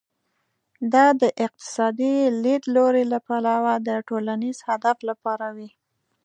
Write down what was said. دا د اقتصادي لیدلوري له پلوه د ټولنیز هدف لپاره وي.